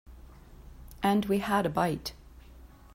And we had a bite.